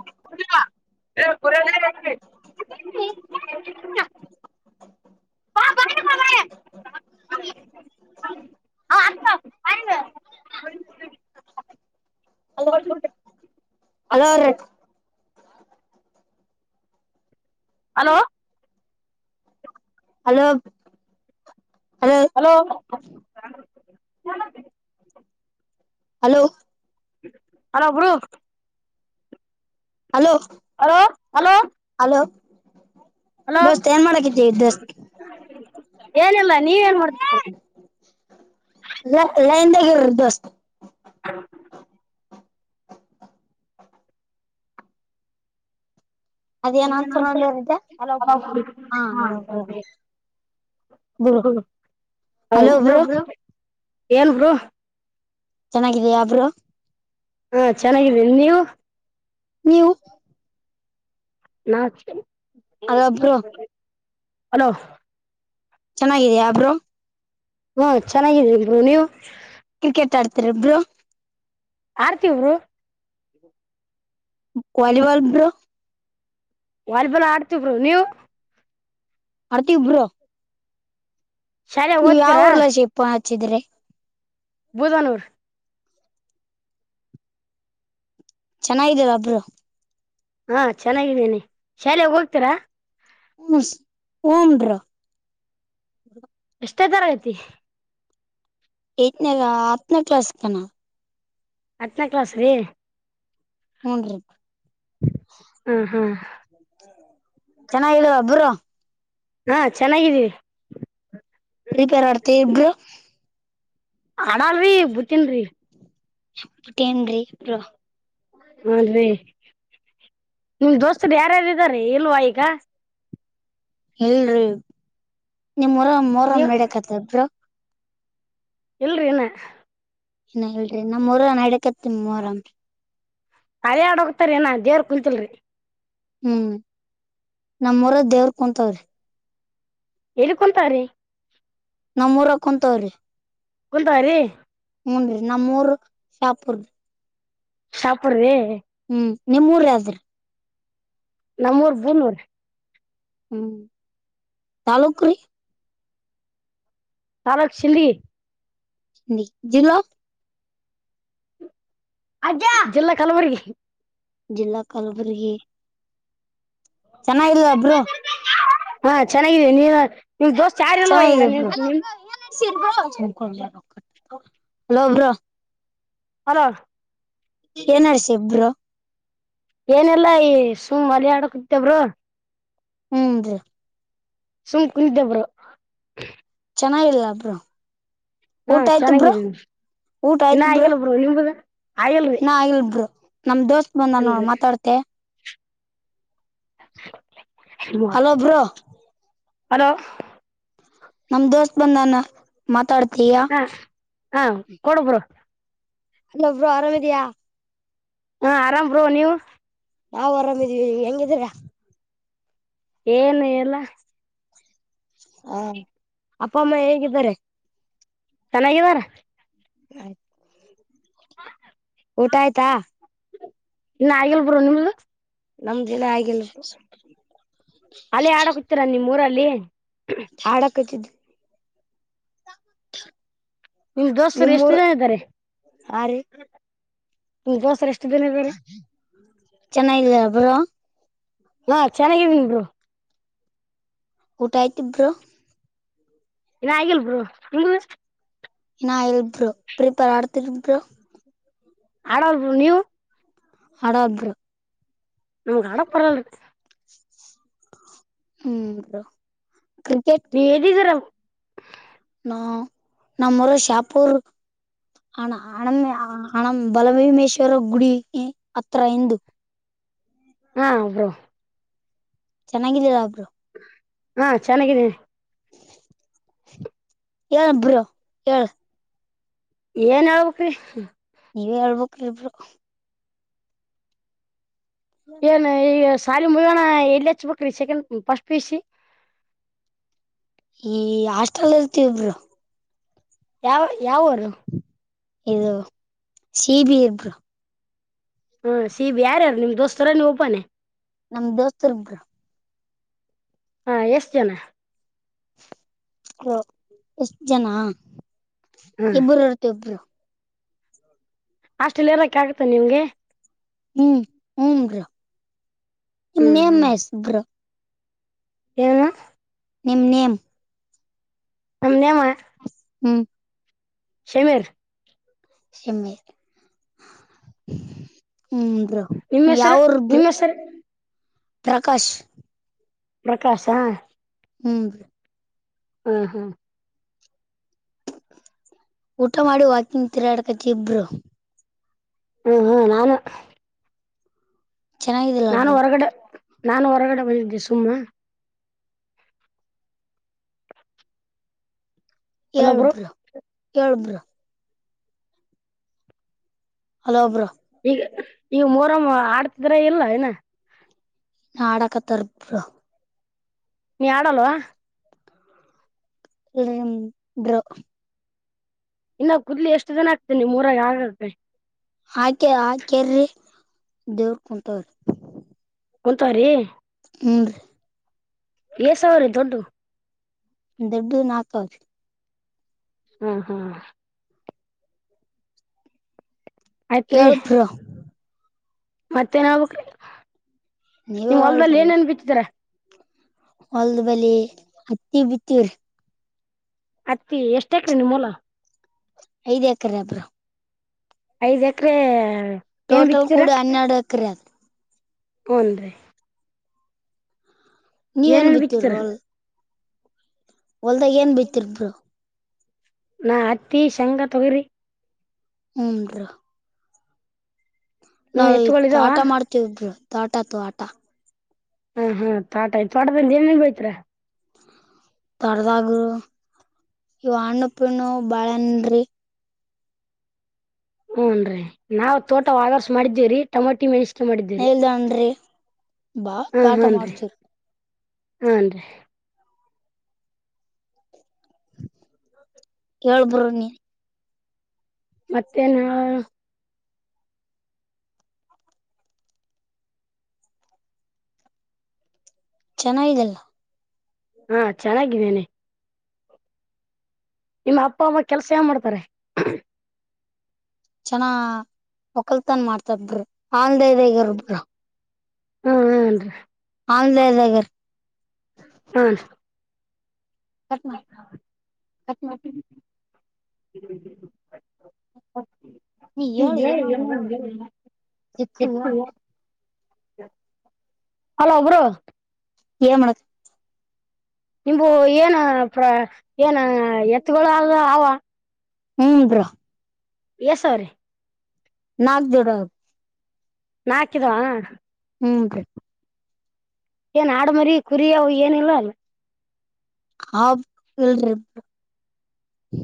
[inaudible] Hello hello ರಿ hello hello hello ಚಲೋ [inaudible] hello hello bro hello hello hello hello hello ದೋಸ್ತ್ ಏನ್ ಮಾಡಕತಿ ದೋಸ್ತ್ ಏನಿಲ್ಲ ನೀವೇನ್ ಮಾಡ್ತೀರಿ [unintelligible] [unintelligible] ಹ [inaudible] ಅದೇನ ಅಂತರಲ್ಲೇ [unintelligible] ಹಲೋ ಗುರು ಹ ಹಲೋ ಬ್ರೋ ಹಲೋ ಬ್ರೋ ಏಲ್ ಬ್ರೋ ಚೆನ್ನಾಗಿದ್ದೀಯ ಬ್ರೋ ಹಾ ಚೆನ್ನಾಗಿದ್ದೀ ನೀವು ನೀವು ನಾ ಹೌ ಹಲೋ ಬ್ರೋ [inaudible] ಹಲೋ ಚೆನ್ನಾಗಿದ್ಯಾ ಬ್ರೋ ಹ್ಮ ಚೆನ್ನಾಗಿದ್ರಿರು ನೀವು ಕ್ರಿಕೆಟ್ ಆಡ್ತರಿ ಬ್ರೋ ಆಡ್ತಿ, ಬ್ರೋ ವಾಲಿಬಾಲ್ ಬ್ರೋ ವಾಲಿಬಾಲ್ ಆಡ್ತವರು ನೀವು ಆರ್ತಿ ಬ್ರೋ ಶಾಲೆಗೆ ನೀವ್ ಓದ್ತೀರಾ ಯಾವಊರ್ಲ ಶಿಪ್ಪ ಹಚ್ಚಿದ್ರೆ ಬೂದನೂರ್ ಚೆನ್ನಾಗಿದ್ದರ ಬ್ರೋ ಹಾ ಚೆನ್ನಾಗಿದ್ದೇನೆ ಶಾಲೆೋಗ ಹೋಗ್ತೀರಾ ಹೂಂ ಬ್ರೋ ಎಷ್ಟೇ ತರ ಐತಿ ನ ಆಪ್ನ ಕ್ಲಸ್ಕ ಹತ್ತನೇ ಕ್ಲಾಸ್ ರೀ ಹ್ಞನ್ ರೀ ಹಾ ಹಾ [inaudible] ಚೆನ್ನಾಗಿದಬ್ಬರು ಹಾ ಚೆನ್ನಾಗಿದ್ದೀವಿ ಫ್ರೀ ಫೈರ್ ಆಡ್ತಿ ಬ್ರೋ ಹಡಲ್ರಿ ಬತನ್ರಿ [unintelligible] [unintelligible] ಅದೀ ನಿಮ ದೋಸ್ತರು ಯಾರಾರುದಾರೀ ಇಲ್ವಾ ಈಗ ಎಲ್. ನಿಮ್ರ ಮೋರ್ ನೀವ್ ನಡಕ್ತ್ ಇಬ್ರು ಇಲ್ರಿ ನ ಇನ್ನ ಹೇಳ್ರರಿ ನಮ್ಮೂರ ನಡಕತ್ತಮ ಮೊಹರಾಂರಿ ಹರಾಡ ಹೋಗ್ತಾರ ಏ ನ ದೇವ್ರ ಕುಂತಲ್ರಿ ಹ್ಮ್ ನಮ ಊರದ ದೇವ್ರ ಕುಂತವ್ರಿ ಎಳ್ಕೊಂತಾರೀ ನಮ್ಮ ರಕ ತೋ ರರಿ ಕುಂತ ರೀ ಹೂ ರಿ ನಮ್ಮೂರ್ ಶಾಪುರ್ದ ಶ ಪೂರಿ ಹ್ಮ್ ನಿಮ್ಮೂರು ಯಾವುದ್ರಿ ನಮ್ಮೂರ್ [inaudible] ಹ್ಮ್ ತಾಲೂಕರಿ ತಾರಕ್ ಸಿ ಜಿಲ್ಲ ಅ ಜಿಲ್ಲಾ ಕಲಬುರ್ಗಿ ಜಿಲ್ಲಾ ಕಲಬುರ್ಗಿ ಚೆನ್ನಾಗಿಲ್ ಬ್ರೋ ಹಾ ಚೆನ್ನಾಗಿದ್ದೀ ನೀವ ನಿ ದೋಸ್ ಯಾರ ಅಲ್ವ ಈಗ ಚೆನ್ನಾಗಿದೆ ನಿಮ [inaudible] ಹಲೋ ಏನಡ್ಸಿ ಇಬ್ರು ಏನೆಲ್ಲಾ ಈ ಸುಮ್ ಮಳ ಆಡಕ್ತಬ್ರು ಹ್ಮ್ ರೀ ಸುಮ್ ಕು ಕುಂತಿಂ ಬ್ರೋ ಚೆನ್ನಾಗಿಲ್ಲ ಬ್ರೋ ಹಾ ಊಟ ಆಯ್ತು ಬ್ರೋ ಚೆನ್ನಾಗಿದೇರಿ ಊಟ ಇನ್ನ ಆಯ್ತು ಬ್ರೋ ಆಗಲ್ ಬ್ರ ನಿಮುದ ಆಗಲ್ರಿ ಇನ್ನ ಆಗಿಲ್ ಬ್ರೋ ನಮ್ ದೋಸ್ತ್ ಬಂದ ನೋಡ್ ಮಾತಾಡ್ತೆ ಹಲೋ ಬ್ರೋ ಹಲೋ ನಮ್ ದೋಸ್ತ್ ಬಂದಾನ ಮಾತಾಡ್ತ ತಿಯ ಹಾ ಹಾ ಕೊಡು ಬ್ರೋ ಅಲ್ಲೊಬ್ರು ಆರಾಮಿದಿಯಾ ಹಾ ಆರಾಮರು ನೀವು ನಾವು ಆರಾಮಿದೀವಿ ಹೆಂಗಿದ್ದೀರಾ ಏನು ಎಲ್ಲ ಹಾ ಅಪ್ಪ ಅಮ್ಮ ಹೇಗಿದ್ದಾರೆ ಚೆನ್ನಾಗಿವಾರ ಆಯ್ತು ಊಟ ಆಯ್ತಾ ಇನ್ನು ಆಗಲ್ ಬ್ರೋ ನಿಮ್ದ ನಮ್ ಜಿಲ್ಲ ಆಗಲ್ ಹಲ್ಲಿ ಹಡ ಹತ್ತೀರಾ ನೀಮ ಮೂರಲ್ಲಿ ಲೀ ಹಾಡ ಕಚಿದ್ದ ನಿಮ್ ದೋಸ್ತರು ಎಷ್ಟು ನಿಮ್ಮೂರ್ ಜನ ಇದ್ದಾರೆ ಆ ರೀ ನಿ ಜೋಸ್ರಷ್ಟ ಚೆನ್ನಾಗಿಲ್ಲ ಬ್ರೋ ಹಾ ಚೆನ್ನಾಗಿದ ಬ್ರೋ ಊಟ ಆಯ್ತಿ ಬ್ರೋ ಏನ ಆಗಲ್ಬರು ನಿಮ್ದು ಇನ್ನ ಇಲ್ಬರು ಪ್ರೀಪರ್ ಆಡ್ತಿರ್ಬರು ಹಾಳಾದರು ನೀವು ಹಡಬರು ನಿಮಗೆ ಹಾಡಕ್ ಬರಲ್ರಿ ಹ್ಮ್ ಕ್ರಿಕೆಟ್ ನೀ ಎದಿದ್ದರ [inaudible] ಹ ನಮ್ಮೂರು ಶಾಪುರ್ ಹಣ ಹಣ ಹಣ ಬಲಭೀಮೇಶ್ವರ ಗುಡಿ ಹತ್ರ ಇಂದು ಹಾ ಬ್ರೋ ಚೆನ್ನಾಗಿದ್ದೀರಾ ಬ್ರೋ ಹಾ ಚೆನ್ನಾಗಿದ್ದೀನೆ ಏಳ ಬರೋ ಏಳು ಏನ್ ಹೇಳಬೇಕ್ರಿ ನೀವೇ ಹೇಳ್ಬೇಕಕ್ ಇಬ್ರು ಏನು ಈಗ ಸಾಲ ಮುಗೋಣ ಎಲ್ಲಿ ಹಚ್ಬೇಕ್ರಿ ಸೆಕೆಂಡ್ ಫಸ್ಟ್ ಪಿಯು ಸಿ ಈ ಹಾಸ್ಟೆಲ್ ಇಡ್ತೀವಿ ಬ್ರೋ ಯಾವ ಯಾವರು ಇದು ಸಿ ಬಿ ಇಬ್ರು ಹಾ ಸೀಬ ಯಾರ್ಯಾರು ನಿಮ್ ದೋಸ್ತರ ನೀ ಒಬನೆ ನಮ ದೋಸ್ತರಿಬ್ರು ಹಾ ಎಷ್ಟು ಜನ ಹ ಎಷ್ಟ ಜನ ಹ್ಮ್ ಇಬ್ಬರು ಇರುತಿ ಬ್ರೋ ಅಷ್ಟಲ್ಲಿ ಇರಕ್ಕೆ ಆಗುತ್ತೆ ನಿಮ್ಗೆ ಹ್ಮ್ ಹ್ಮರ ಹ್ಮ್ ಹ್ಮ್ [inaudible] ಏನು ನಿಮ್ಮ ನೇಮ್ ನಮ್ ನೇಮ ಹ್ಮ್ ಶಮೀರ್ ಸಮೀರ್ ನಿಮ್ಮ ಹೆಸರ ನಿಮ್ಮ ಹೆಸರಿ ಪ್ರಕಾಶ ಪ್ರಕಾಶಾ ಹ್ಮ ಹ್ಮ್ ಹ್ಮ್ ಊಟ ಮಾಡಿ ವಾಕಿಂಗ್ ತಿರಾಡಕಕ್ಕೆ ಬ್ರೋ ಹ್ಮ್ ಹ್ಮ್ ನಾನು ಚೆನ್ನಾಗಿದಲ್ಲ ನಾನು ಬ್ರೋ ಹೊರಗಡೆ ನಾನು ಹೊರಗಡೆ ಬಂದಿದ್ದೆ ಸುಮ್ನ ಏಳ್ ಅಲ್ಲೊಬ್ರು ಬ್ರೋ ಏಳ್ ಬ್ರೋ ಹಲೋ ಬ್ರೋ ಈಗ ಮರಮ್ಮ ಆಡ್ತಿದ್ರ ಇಲ್ಲ ಏನ ನಾಡಕತರಾ ಬ್ರೋ ನೀ ಆಡಲ್ವಾ ಇ ಬ್ರೋ ಇನ್ನು ಕೂುದ್ಲಿ ಎಷ್ಟು ಜನ ಆಗ್ತನೆ ಮೂರಾಗ ಆಗಕಿ ಆಕೆ ಆಕೇರ್ರಿ ದೇವ್ರ ಕುಂಟವ್ರಿ [unintelligible] ಉಂತ ರೀ ಹೂ ರಿ ಎ ಸಾವರ ದೊಡ್ಟು ದೊಡ್ಡ ನಾಲ್ಕಾವತ್ ಹ್ಮ ಹಾ ಹೇಳು ಬ್ರೋ ಮತ್ತೆ ನಾವು ನಿ ನೀವೇ ಹೊಲ್ದಲ್ಲಿ ಹೇಳ್ರಿ ಏನೇನ್ ಬಿಟ್ಟಿದರ ಹೊಲ್ದ ಬಳ ಹತ್ತಿ ಬಿತ್ತವ್ರಿ ಅತ್ತಿ ಎಷ್ಟಾಕ್ರೀ ನಿಮ್ಮೂಲ ಐದ್ ಎಕರೆ ಬ್ರೋ ಐದ್ ಎಕರೆ ಟೋಟಲ್ ಕೂಡ ಹನ್ನೆರಡು ಎಕರೆ ಅ ಹನ್ ರೆ ನೀ ಅನ್ ಬಿತ್ತಿದೀರ ಬಿಟ್ಟರರೋಲ್ ಹೊಲ್ದಾಗ ಏನ್ ಬಿತಿರ ಬ್ರೋ ನಾ ಅತ್ತಿ ಶಂಗಾ ತೊಗರಿ ಹೂ ಬ್ರೋ ನೀವ್ ನಾವು ಇತ್ತು ಎತ್ಗಳಿದಾವ ಆಟ ಮಾಡ್ತೇವಿ ಬ್ರೋ ತೋಟ ತೋಟ ಹಾ ಹಾ ತೋಟ ತೋಟದಲ್ಲಿ ಏನ ಏನ್ ಬೆಳೆದಿರ ತೊರ್ದಾಗರು ಇವ ಹಣ್ಣುಪ್ಪಿ ಹಣ್ಣು ಬಾಳೆನ್ರಿ ಹೂನ ರಿ ನಾವ್ ತೋಟ ವಾದರ್ಸ ಮಾಡಿದ್ದೀವಿ್ರೀ ಟಮಾಟಿ ಮೆಣಸ [inaudible] ಬಾ ತೋಟ ಮಾಡ್ತೀವಿ ರಿ ಹನ್ರಿ ಹೇಳ್ ಬ್ರೋ ನಿನ್ ಮತ್ತೇ ನ ಚೆನ್ನಾಗಿದೆಲ್ಲ ಹಾ ಚೆನ್ನಾಗಿದ್ದೇನೆ ನಿಮ್ಮ ಅಪ್ಪ ಅಮ್ಮ ಕೆಲ್ಸ ಏ ಮಾಡ್ತಾರೆ ಚನ್ನ ಒಕಲ್ತನ್ ಮಾಡ್ತ ಬ್ರೋ [unintelligible] ಹ್ಮ ಹನ್ರಿ ಆನ್ಲದಗರ್ ಹಾ ಕಟ್ನಾ ಕಟ್ನಾ [inaudible] ಹ ನೀ [inaudible] ಇ ಹೇಳು ಏನೋ ಮಾಡ ಹೇಳು ಇ ಸಿಕ್ಕು [inaudible] ಹೇಳು ಹಲೋ ಬ್ರೋ ಏ ಮಾಡಕ್ ನಿಂಬು ಏನ ಪ್ರ ಏನ ಎತ್ಗಳು ಆ ಹ್ಮಾ ಬ್ರೋ ಎಸ್ ಸರ್ ನಾಗ ಜೋಡ ನಾಕಿದವಾ ಹ್ಮ್ ಬ್ರೋ ಏನ್ ಆಾಡ ಮರಿ ಕುರಿವು ಏನಿಲ್ಲ ಅಲ್ಲ ಹಾ [inaudible]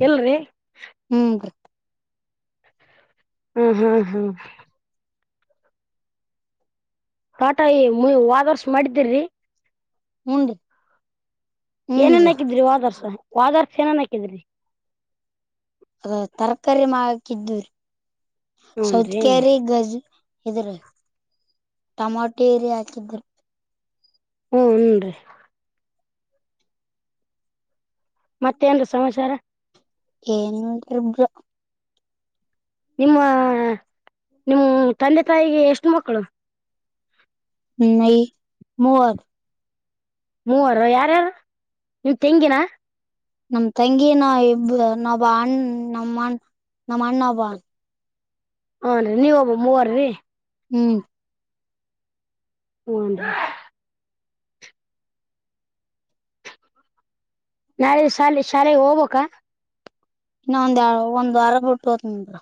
ಎಲ್ರಿ ಹ್ಮ್ ಹ್ಮ್ ಹ್ಮ್ ತೋಟ ಈ ವಾದರ್ಸ್ ಮಾಡಿದ್ದಿ ರಿ ಹೂ ರಿ ಏನೇನ್ ಹಾಕಿದ್ರಿ ವಾದರ್ಸ ಹೋದ ಸೇನೆ ಹಾಕಿರಿ ಹೂ ತರಕಾರಿ ಮಾಡಕಿದ್ದು ಸೌತ್ ಹೂನ್ರಿ ಕಾರಿ ಗಜ ಇದ್ರೀ ಟಮಾಟೆರಿ ಹಾಕಿದ್ರಿ ಹ್ಮ ಹನ್ರಿ [unintelligible] ಮತ್ತೇನ್ ಸಮಾಚಾರ ಏನಂಗ ಇರ್ಬ್ರ [unintelligible] ನಿಮ್ಮ ನಿಮ್ಮ ತಂದೆ ತಾಯಿಗೆ ಎಷ್ಟು ಮಕ್ಕಳು ನ ಮದ [unintelligible] ಮೂವರು ಯಾರ್ಯಾರು ನೀವ ತೆಂಗಿನ ನಮ ತಂಗಿ ನಾ ಇಬ್ಬ ನ ಅಣ್ಣ ನಮ್ಮ ನಮ್ಮ ಅಣ್ಣ ಬ ಹನ್ ರಿ ನೀವ ಒಬ್ಬ ಮೂವರರಿ ಹ್ಮ್ ಹೂ ರಿ ನಾಳೆ ಶಾಲೆ ಶಾಲೆಗೆ ಹೋಗ್ಬೇಕ ಇನ್ನ ಒಂದ ಒಂದ್ ವಾರ ಬುಟ್ಟೋತೀನಿ ಅಂದ್ರು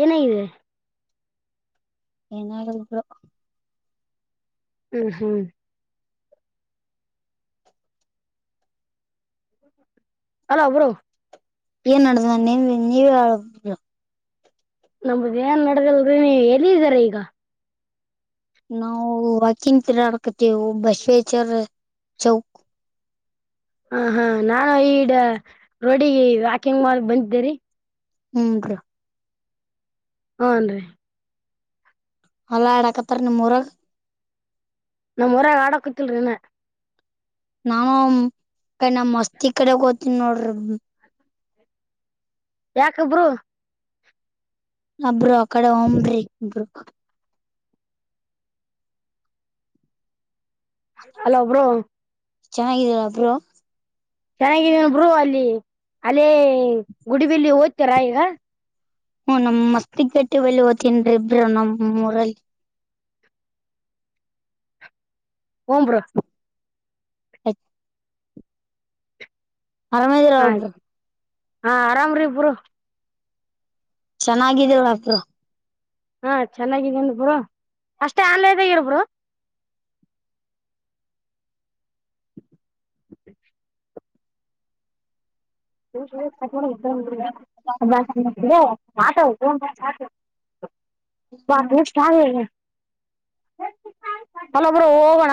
ಏನಾಗಿದೆ ಏನರ [inaudible] ಹ್ಮ್ ಹ್ಮ್ ಅಲೋ ಬ್ರೋ ಏನ್ ಅಡ್ದ ನೀವ ನೀವಬರು [unintelligible] ನಮ್ಗ ಏನ್ ನಡದಲ್ರರಿ ನೀ ಎಲ್ಲಿ ಇದ್ದಾರ ಈಗ ನಾವು ವಾಕಿಂಗ್ ತಿಂಗಳ ಕತ್ತೀವಿ [unintelligible] ಚೌ ಹ ಹಾ ನಾನು ಈಡ ರೋಡಿಗೆ ವಾಕಿಂಗ್ ಮಾಡ ಬಂದಿದ್ದೇರಿ ಹೂ ಬ್ರೋ ಹಾನ್ ರೀ ಅಲ್ಲಾ ಆಡಾಕತ್ತರಿ ನಿಮ್ ಊರಾಗ ನಮ್ ಹೊರಾಗ ಆಡಕೋತಿಲ್ರಿನಾ ನಾನು ಕ ನಮ್ಮ ಮಸ್ತಿ ಕಡೆ ಹೋಗ್ತೀನಿ ನೋಡ್ರಿ ಯಾಕ ಬ್ರೋ ಅಬ್ರು ಅ ಕಡೆ ಹಮ್ರಿ ಇಬ್ರು [unintelligible] ಹಲೋ ಬ್ರೋ ಚೆನ್ನಾಗಿದಲ್ಲ ಬ್ರೋ ಚೆನ್ನಾಗಿದೇನ್ ಬರು ಅಲ್ಲಿ ಅಲ್ಲೇ ಗುಡಿ [unintelligible] ಲ್ಲಿ ವೈತೀರ ಈಗ [unintelligible] ಹ್ಮ ನಮ್ ಮತ್ತಗ್ ಗಟ್ಟೆಲ್ಲಿ ಓ್ತನ್ ಇಬ್ ನಮ್ಮ್ ಊರಲ್ಲಿ ಹೂ ಬ್ರೋ ಹ [unintelligible] ಅರಮೇದರಾ ಹಾ ಬ್ರೋ ಹಾ ಆರಾಮ್ರಿ ಬ್ರೋ ಚೆನ್ನಾಗಿದೇವ ಬ್ರೋ ಹಾ ಚೆನ್ನಾಗಿದ್ದನ್ ಬ್ರೋ ಅಷ್ಟೇ ಆನ್ಲದಾಗರ ಬಿರು [unintelligible] ಬಾಸ ಮಂದರ [unintelligible] ಹತ [unintelligible] ಮ [unintelligible] ಚ ಹಲೋ ಬ್ರೋ ಹೋಗೋಣ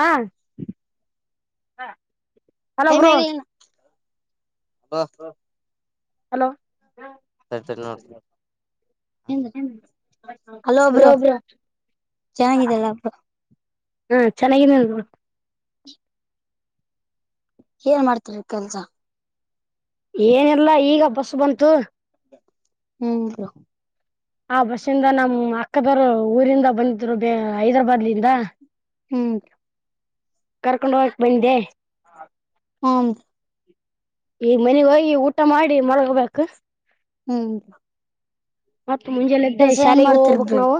ಹಲೋ ಹೆ ಬ್ರೋ ಮ್ಯಾಗಲ [unintelligible] ಅಬ [unintelligible] ಹಲೋ ಅಲೋ ಬ್ರೋ ಚೆನ್ನಾಗಿದಲ್ಲ ಬ್ರೋ ಹೂ ಚೆನ್ನಾಗಿದ್ದೀನಿ ಬ್ರೋ ಏನ್ ಮಾಡ್ತರಿ ಕೆಲ್ಸಾ ಏನಿಲ್ಲ ಈಗ ಬಸ್ ಬಂತು ಹ್ಮ್ ಆ ಬಸ್ಸಿಂದ ನಮ್ಮ್ ಅಕ್ಕದವರು ಊರಿಂದ ಬಂದಿದ್ರು ಬ ಹೈದ್ರಾಬಾದ್ಲಿಂದ ಹ್ಮ್ ಕರ್ಕೊಂಡ್ ಹೋಗಕ್ ಬಂದೆ ಹ್ಮ ಈಗ ಮನೆಗ್ ಹೋಗಿ ಊಟ ಮಾಡಿ ಮಳಗೋಬೇಕು ಹ್ಮ್ ಮತ್ ಮುಂಜೆಲ್ಲ ಎದ್ದೆ ಕೆಲ್ಸ ಏನ್ ಶಾಲೆಗೆ ಹೋಗ್ಬೇಕ್ ಮಾಡ್ತಿರ್ಬ್ರಿ ನಾವು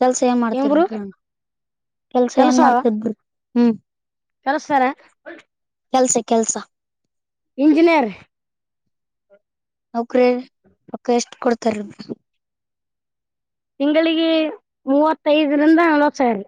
ಕೆಲ್ಸ ಏನ್ ಮಾಡ್ತಿರ್ಬ್ರಿ ಕೆಲ್ಸ ಏನ್ ಮಾಡ್ತಿರ್ಬ್ರಿ ಹ್ಮ್ ಕಳ್ತಾರೆ ಕೆಲ್ಸ ಕೆಲ್ಸ ಇಂಜಿನಿಯರ್ ನೌಕ್ರ ಪಕ್ಕ ಎಷ್ಟ ಕೊಡ್ತಾರ ತಿಂಗಳಿಗೆ ಮೂವತ್ತೈದರಿಂದ ನಲೋತ್ಸಾಯಿ